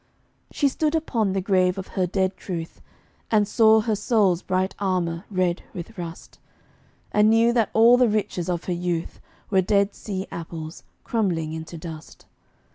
She stood upon the grave of her dead truth, And saw her soul's bright armor red with rust, And knew that all the riches of her youth Were Dead Sea apples, crumbling into dust.